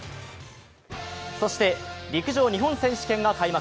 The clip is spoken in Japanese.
そして陸上日本選手権が開幕。